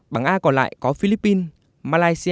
bảng a còn lại có philippines malaysia